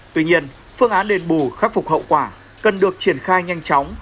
tuy nhiên phương án đền bù khắc phục hậu quả cần được triển khai nhanh chóng